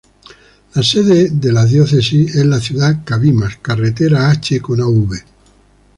La sede la diócesis es la ciudad Cabimas, carretera H con Av.